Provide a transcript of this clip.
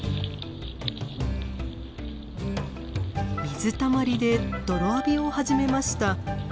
水たまりで泥浴びを始めました。